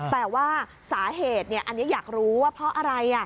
แต่ว่าสาเหตุอันนี้อยากรู้ว่าเพราะอะไร